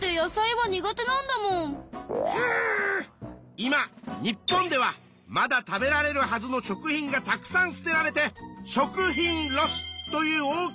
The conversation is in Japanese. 今日本ではまだ食べられるはずの食品がたくさん捨てられて「食品ロス」という大きな問題になっているんだ。